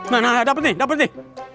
nah nah dapet nih dapet nih